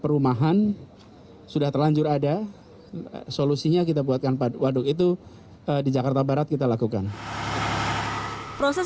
dan sudah terlanjur ada solusinya kita buatkan padu itu di jakarta barat kita lakukan proses